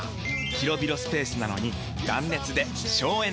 広々スペースなのに断熱で省エネ！